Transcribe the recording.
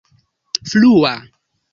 flua